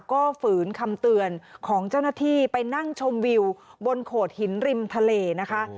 ก็ฝืนคำเตือนของเจ้าหน้าที่ไปนั่งชมวิวบนโขดหินริมทะเลนะคะ